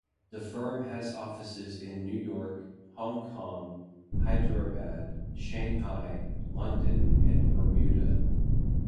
The firm has offices in New York, Hong Kong, Hyderabad, Shanghai, London and Bermuda.